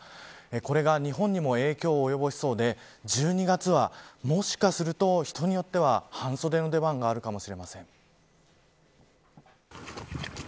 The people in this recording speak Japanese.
これが日本にも影響を及ぼしそうで１２月は、もしかすると人によっては半袖の出番があるかもしれません。